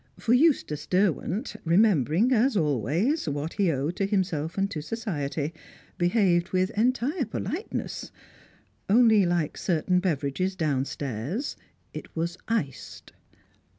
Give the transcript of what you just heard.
For Eustace Derwent, remembering, as always, what he owed to himself and to society, behaved with entire politeness; only, like certain beverages downstairs, it was iced.